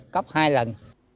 cấp hai lần